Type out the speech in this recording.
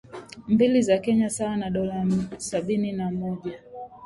mbili za Kenya sawa na dola sabini na mmoja